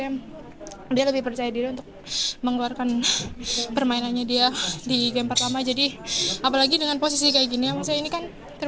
maksudnya dia lebih percaya diri